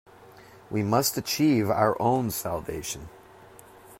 We must achieve our own salvation.